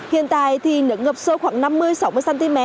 hiện tại thì nước ngập sâu khoảng năm mươi sáu mươi cm